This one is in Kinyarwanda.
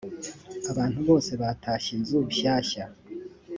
abantu bose batashye i inzu nshyashya.